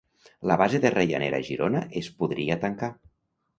La base de Ryanair a Girona es podria tancar